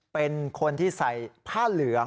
เป็นคนที่ใส่ผ้าเหลือง